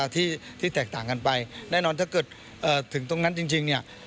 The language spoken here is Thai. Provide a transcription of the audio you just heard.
ที่แตกต่างกันไปแน่นอนถ้าเกิดถึงตรงนั้นจริงเนี่ย